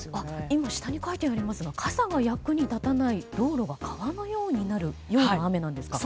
今、下に書いてありますが傘が役に立たない道路が川のようになるような雨なんですか。